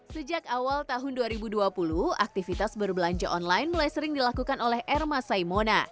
sejak awal tahun dua ribu dua puluh aktivitas berbelanja online mulai sering dilakukan oleh erma saimona